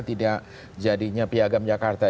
tidak jadinya piagam jakarta